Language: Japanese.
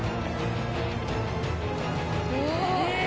うわ！